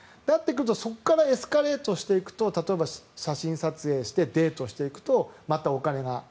そこからエスカレートしていくと例えば写真撮影してデートしていくとまたお金が。